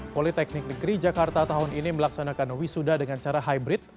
politeknik negeri jakarta tahun ini melaksanakan wisuda dengan cara hybrid